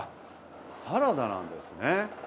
サラダなんですね。